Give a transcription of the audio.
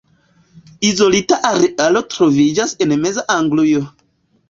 Izolita arealo troviĝas en meza Anglujo.